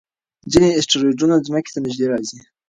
ځینې اسټروېډونه ځمکې ته نږدې راځي.